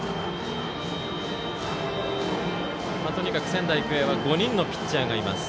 仙台育英は５人のピッチャーがいます。